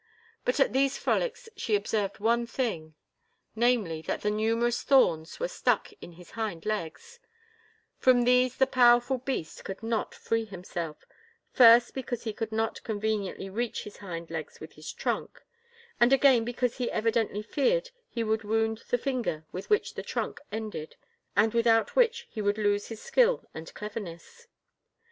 But at these frolics she observed one thing, namely, that numerous thorns were stuck in his hind legs; from these the powerful beast could not free himself, first because he could not conveniently reach his hind legs with his trunk, and again because he evidently feared to wound the finger with which the trunk ended and without which he would lose his skill and cleverness.